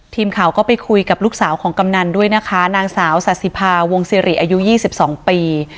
ทีมข่าวก็ไปคุยกับลูกสาวของกำนันด้วยนะคะนางสาวสาธิภาวงศิริอายุ๒๒ปี